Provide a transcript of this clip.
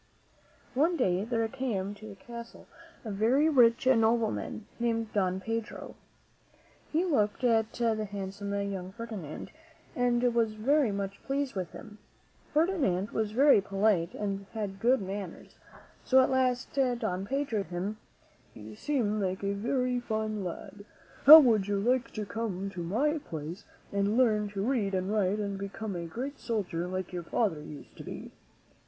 One day there came to the castle a very rich nobleman, named Don Pedro. He looked at the handsome young Ferdinand and was very much pleased with him. Ferdinand was very polite and had good manners, so at last Don Pedro said to him, "You seem like a very fine lad. How would you like to come to my palace and learn to read and write and become a great sol dier like your father used to be?"